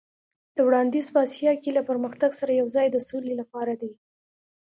دا وړاندیز په اسیا کې له پرمختګ سره یو ځای د سولې لپاره دی.